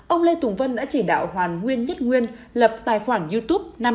ông lê tùng vân đã chỉ đạo hoàn nguyên nhất nguyên lập tài khoản youtube